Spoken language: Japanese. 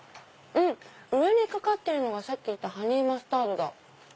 上にかかってるのがさっき言ったハニーマスタードだ。